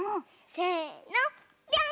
せのぴょん！